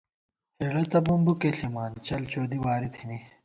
ہېڑہ تہ بُومبُوکے ݪِما ، چل چودی واری تھنی